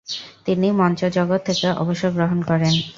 তিনি মঞ্চজগৎ থেকে অবসর গ্রহণ করেন।